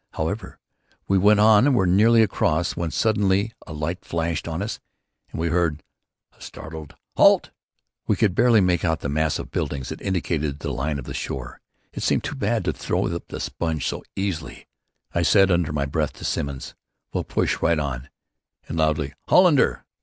However, we went on and were nearly across when suddenly a light flashed on us and we heard a startled "Halt!" We could barely make out the mass of buildings that indicated the line of the shore. It seemed too bad to throw up the sponge so easily. I said under my breath to Simmons: "We'll push right on," and loudly: "Hollander!"